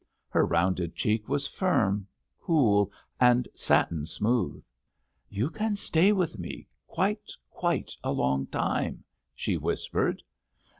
Her rounded cheek was firm, cool and satin smooth. "You can stay with me quite, quite a long time," she whispered.